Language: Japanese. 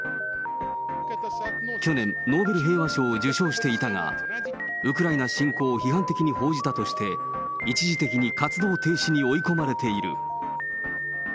去年、ノーベル平和賞を受賞していたが、ウクライナ侵攻を批判的に報じたとして、一時的に活動停止に追い込まれている。